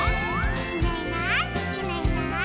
「いないいないいないいない」